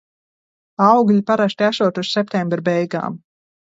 Augļi parasti esot uz septembra beigām.